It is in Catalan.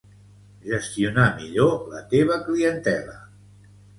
Gestionar millor la teva clientela